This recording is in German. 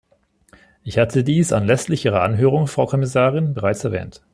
Ich hatte dies anlässlich Ihrer Anhörung, Frau Kommissarin, bereits erwähnt.